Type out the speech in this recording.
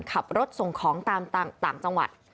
ขับรถส่งของตามต่างจังหวัด